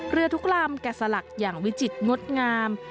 เรือทุกลำแกะสลักอย่างวิจิตรงดงาม